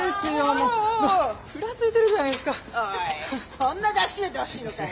そんな抱きしめてほしいのかよ。